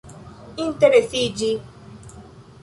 interesiĝi